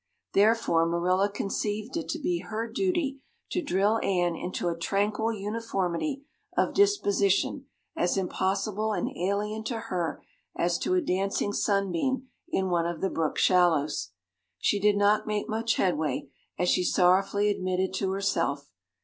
Therefore Marilla conceived it to be her duty to drill Anne into a tranquil uniformity of disposition as impossible and alien to her as to a dancing sunbeam in one of the brook shallows. She did not make much headway, as she sorrowfully admitted to herself.